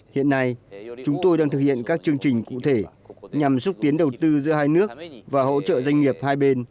hiện nay chúng tôi đang thực hiện các chương trình cụ thể nhằm xúc tiến đầu tư giữa hai nước và hỗ trợ doanh nghiệp hai bên